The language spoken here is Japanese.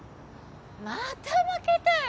また負けたよ